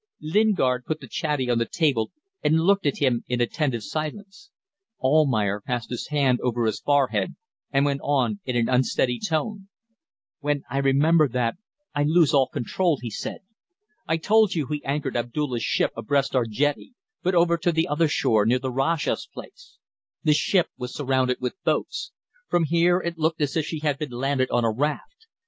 Lingard put the chatty on the table and looked at him in attentive silence. Almayer passed his hand over his forehead and went on in an unsteady tone: "When I remember that, I lose all control," he said. "I told you he anchored Abdulla's ship abreast our jetty, but over to the other shore, near the Rajah's place. The ship was surrounded with boats. From here it looked as if she had been landed on a raft.